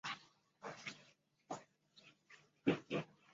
词作者宋志刚来自河南省郑州市。